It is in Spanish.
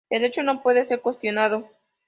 El hecho no puede ser cuestionado.